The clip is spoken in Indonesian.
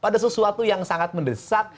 pada sesuatu yang sangat mendesak